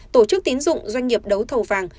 tổ chức tín dụng doanh nghiệp đấu thầu vàng